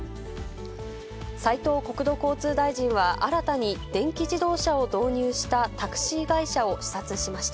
斉藤国土交通大臣は新たに電気自動車を導入したタクシー会社を視察しました。